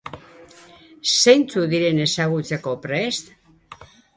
Zeintzuk diren ezagutzeko prest?